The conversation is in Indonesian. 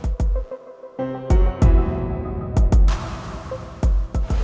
gue mau pergi ke london